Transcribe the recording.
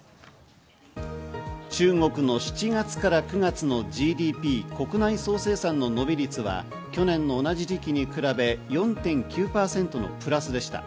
中国の７月から９月のＧＤＰ＝国内総生産の伸び率は去年の同じ時期に比べ４．９％のプラスでした。